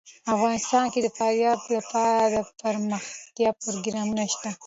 افغانستان کې د فاریاب لپاره دپرمختیا پروګرامونه شته.